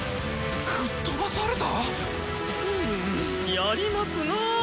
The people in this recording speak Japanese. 吹っ飛ばされた⁉ムゥやりますな。